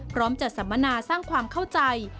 พร้อมจัดสัมมนาสร้างความเข้าใจ